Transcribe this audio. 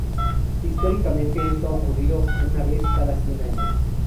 Históricamente esto ha ocurrido una vez cada cien años.